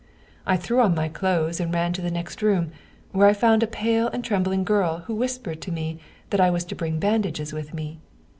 I threw on my clothes and ran to the next room, where I found a pale and trembling girl who whispered to me that I was to bring bandages with me.